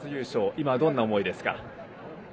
今、どんな思いですか。